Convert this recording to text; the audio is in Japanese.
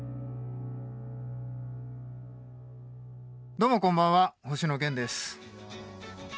どうもこんばんは星野源です。